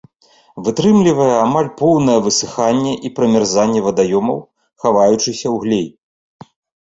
Вытрымлівае амаль поўнае высыханне і прамярзанне вадаёмаў, хаваючыся ў глей.